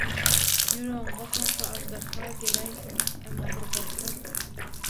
Ýüregiň gopmasa aždarha geläýsin, emma bir gopsa...